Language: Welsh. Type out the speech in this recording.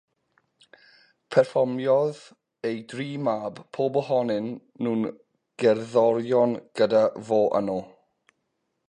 Perfformiodd ei dri mab, pob ohonyn nhw'n gerddorion, gyda fo yno.